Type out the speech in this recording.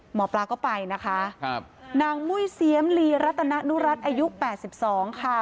หมอปลาก็ไปนะคะครับนางมุ้ยเซียมลีรัตนานุรัติอายุ๘๒ค่ะ